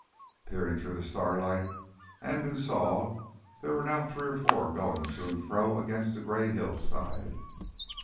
Peering through the starlight, Andoo saw there were now three or four going to and fro against the grey hillside.